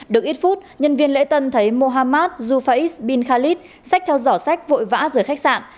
được ít phút nhân viên lễ tân thấy mohamad zufaiz bin khalid xách theo dõi xách vội vã giữa khách sạn